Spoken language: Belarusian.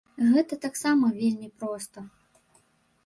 Гэта таксама вельмі проста.